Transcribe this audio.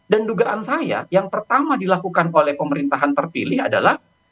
dan dugaan saya yang pertama dilakukan oleh pemerintahan terpilih adalah